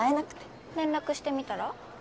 連絡してみたら？